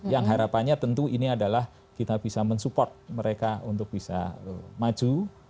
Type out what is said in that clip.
yang harapannya tentu ini adalah kita bisa mensupport mereka untuk bisa maju